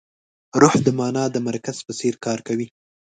روح د مانا د مرکز په څېر کار کوي.